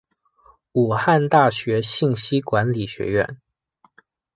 武汉大学信息管理学院